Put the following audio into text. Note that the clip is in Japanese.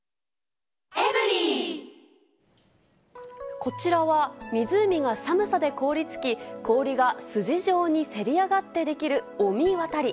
こちらは、湖が寒さで凍りつき、氷が筋状にせり上がって出来る御神渡り。